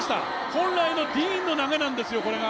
本来のディーンの投げなんですよ、これが。